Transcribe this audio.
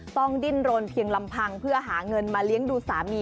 ต้องดิ้นรนเพียงลำพังเพื่อหาเงินมาเลี้ยงดูสามี